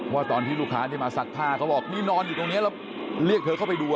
ว่าตอนที่ลูกค้าที่มาซักผ้าเขาบอกนี่นอนอยู่ตรงนี้แล้วเรียกเธอเข้าไปดู